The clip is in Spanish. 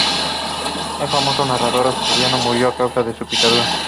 Un famoso nadador australiano murió a causa de su picadura.